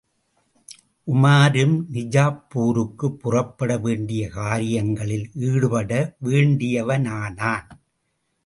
உமாரும் நிஜாப்பூருக்குப் புறப்பட வேண்டிய காரியங்களில் ஈடுபட வேண்டியவனானான்.